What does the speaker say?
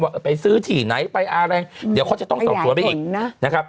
ว่าไปซื้อที่ไหนไปอะไรเดี๋ยวเขาจะต้องสอบสวนไปอีกนะครับ